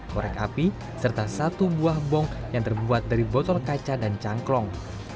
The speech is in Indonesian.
korek api serta satu buah bong yang terbuat dari botol kaca dan cangklong